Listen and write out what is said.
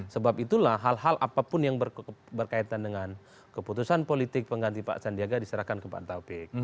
sebab itulah hal hal apapun yang berkaitan dengan keputusan politik pengganti pak sandiaga diserahkan ke pak taufik